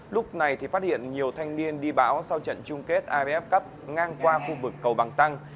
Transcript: lúc này thì phát hiện nhiều thanh niên đi bão sau trận chung kết aff cup ngang qua khu vực cầu bằng tăng